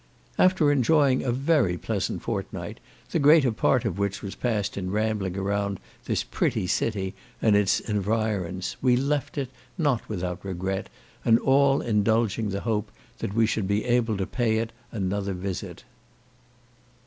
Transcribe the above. After enjoying a very pleasant fortnight, the greater part of which was passed in rambling about this pretty city and its environs, we left it, not without regret, and all indulging the hope that we should be able to pay it another visit.